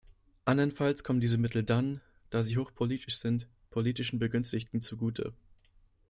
Andernfalls kommen diese Mittel dann, da sie hoch politisch sind, politischen Begünstigten zugute.